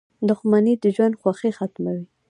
• دښمني د ژوند خوښي ختموي.